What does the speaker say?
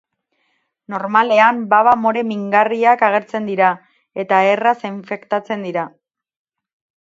Normalean, baba more mingarriak agertzen dira eta erraz infektatzen dira.